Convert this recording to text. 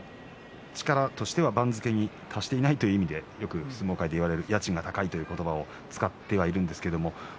力としては番付に達していないという意味で相撲界でよく言われる、家賃が高いという言葉を使っているんですが。